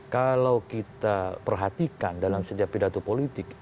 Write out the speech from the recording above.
kalau kita perhatikan dalam setiap pidato politik